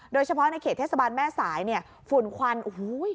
โดยเฉพาะในเขตเทศบาลแม่สายเนี่ยฝุ่นควันโอ้โห